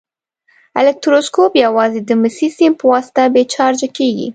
الکتروسکوپ یوازې د مسي سیم په واسطه بې چارجه کیږي.